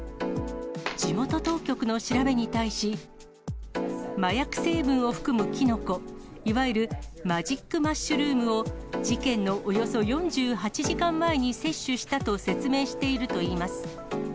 地元当局の調べに対し、麻薬成分を含むキノコ、いわゆるマジックマッシュルームを事件のおよそ４８時間前に摂取したと説明しているといいます。